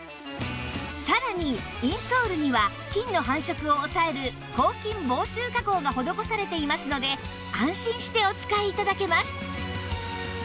さらにインソールには菌の繁殖を抑える抗菌防臭加工が施されていますので安心してお使い頂けます